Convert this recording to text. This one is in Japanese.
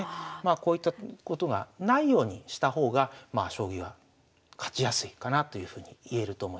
こういったことがないようにした方が将棋は勝ちやすいかなというふうにいえると思います。